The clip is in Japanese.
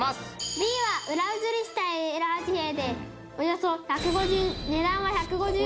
Ｂは裏写りしたエラー紙幣でおよそ１５０値段は１５０万円です。